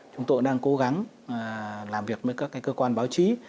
chúng tôi đang cố gắng làm việc với các cơ quan báo chí